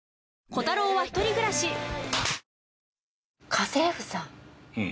家政婦さん？